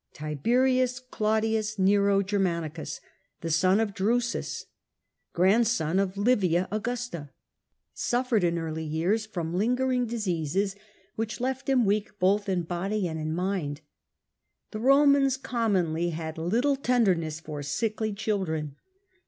Tiberius Claudius Nero Germanicus, the son of Drusus, grandson of Livia Augusta, suffered in early years from lingering diseases which left him weak both in body and in mind. The Romans commonly had little tenderness for sickly children.